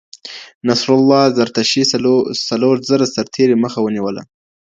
نصرالله زرتشي څلور زره سرتېري مخه ونیوله.